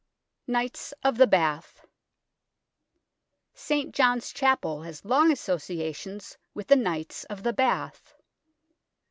KNIGHTS OF THE BATH St. John's Chapel has long associations with the Knights of the Bath.